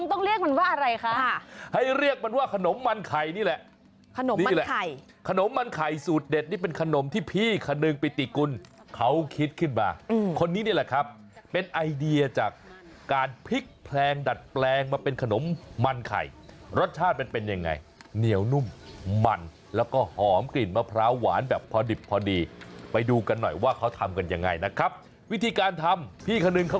โอ๊ยหลายอย่างหลายสัญญาณมากเลยตอนนี้